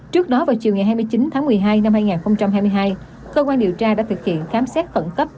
trước đó vào chiều ngày hai mươi chín tháng một mươi hai năm hai nghìn hai mươi hai cơ quan điều tra đã thực hiện khám xét khẩn cấp